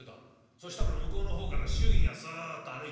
そしたら向こうの方から祝儀がスッと歩いてきたからね